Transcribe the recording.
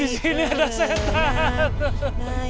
di sini ada setan